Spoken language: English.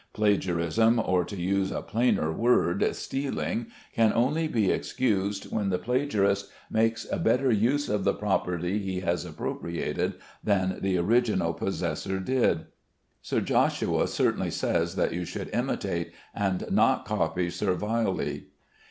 Plagiarism, or, to use a plainer word, "stealing," can only be excused when the plagiarist makes a better use of the property he has appropriated than the original possessor did. Sir Joshua certainly says that you should "imitate," and not copy servilely.